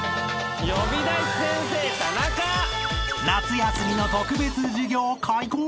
［夏休みの特別授業開講！］